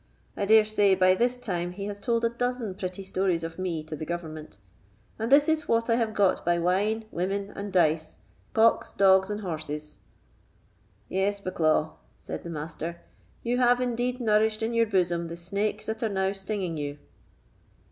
I dare say, by this time, he has told a dozen pretty stories of me to the government. And this is what I have got by wine, women, and dice, cocks, dogs, and horses." "Yes, Bucklaw," said the Master, "you have indeed nourished in your bosom the snakes that are now stinging you."